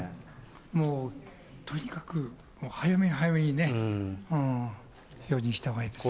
もうとにかく、早め早めにね、用心したほうがいいですね。